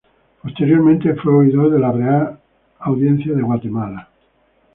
Posteriormente fue oidor de la Real Audiencia de Guatemala.